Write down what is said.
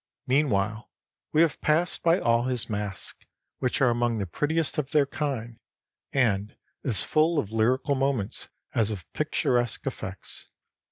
Meanwhile we have passed by all his Masques, which are among the prettiest of their kind, and as full of lyrical moments as of picturesque effects.